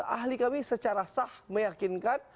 ahli kami secara sah meyakinkan